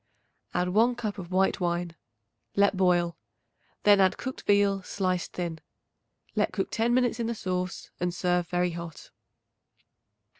Add 1 cup of white wine; let boil; then add cooked veal sliced thin. Let cook ten minutes in the sauce and serve very hot.